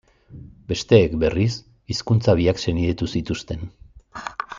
Besteek, berriz, hizkuntza biak senidetu zituzten.